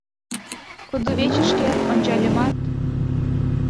Кудывечышкет ончальымат -